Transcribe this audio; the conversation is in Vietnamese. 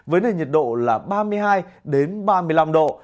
với nền nhiệt độ là ba mươi hai ba mươi năm độ